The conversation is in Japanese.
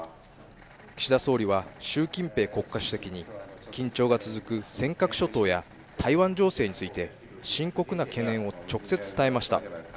岸田総理は習近平国家主席に緊張が続く尖閣諸島や台湾情勢について深刻な懸念を直接、伝えました。